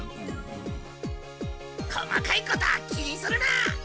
細かいことは気にするな！